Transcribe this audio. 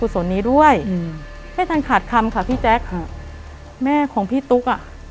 สนนี้ด้วยอืมไม่ทันขาดคำค่ะพี่แจ๊คฮะแม่ของพี่ตุ๊กอ่ะ